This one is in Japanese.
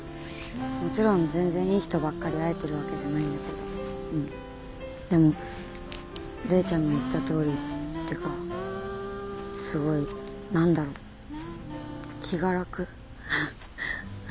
もちろん全然いい人ばっかり会えてるわけじゃないんだけどうんでも玲ちゃんの言ったとおりってかすごい何だろ気が楽。